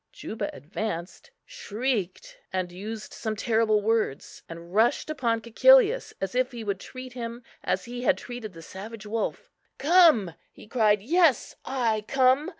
Juba advanced, shrieked, and used some terrible words, and rushed upon Cæcilius, as if he would treat him as he had treated the savage wolf. "Come?" he cried, "yes, I come!"